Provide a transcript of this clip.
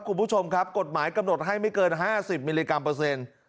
คุณผู้ชมครับกฎหมายกำหนดให้ไม่เกิน๕๐มิลลิกรัมเปอร์เซ็นต์